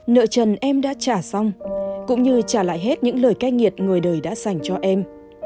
nợ trần em đã trả xong cũng như trả lại hết những lời cai nghiện người đời đã dành cho em